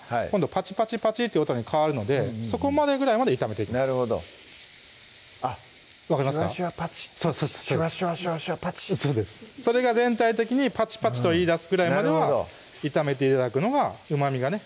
パチパチパチという音に変わるのでそこまでぐらいまで炒めてなるほどあっシュワシュワパチッシュワシュワシュワシュワパチッそうですそれが全体的にパチパチといいだすくらいまでは炒めて頂くのがうまみがね